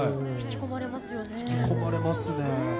引き込まれますよね。